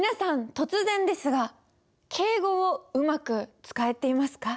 突然ですが敬語をうまく使えていますか？